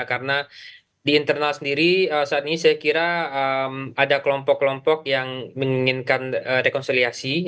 karena di internal sendiri saat ini saya kira ada kelompok kelompok yang menginginkan rekonsiliasi